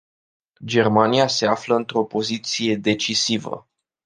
Germania se află într-o poziție decisivă.